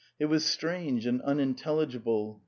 It was strange and unintelligible.